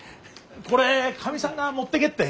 これかみさんが持ってけって。